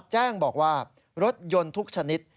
แจ้งบอกว่ารถยนต์ทุกชนิด